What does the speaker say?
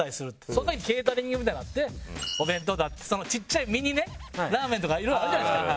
その時にケータリングみたいなのあってお弁当があってちっちゃいミニラーメンとかいろいろあるじゃないですか。